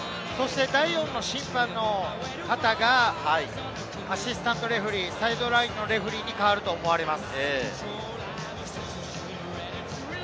第４の審判の方がアシスタントレフェリー、サイドラインのレフェリーに代わると思います。